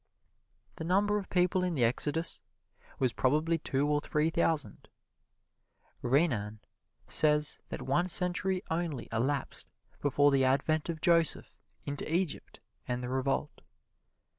The number of people in the exodus was probably two or three thousand. Renan says that one century only elapsed between the advent of Joseph into Egypt and the revolt.